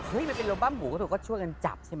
มันเป็นโลบั้มหมูก็ถูกก็ช่วยกันจับใช่ไหม